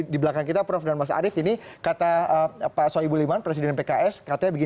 di belakang kita prof dan mas arief ini kata pak soebul iman presiden pks katanya begini